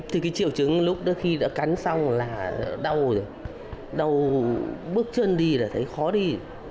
thì cái triệu chứng lúc đó khi đã cắn xong là đau rồi đau bước chân đi là thấy khó đi